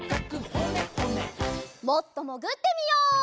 もっともぐってみよう。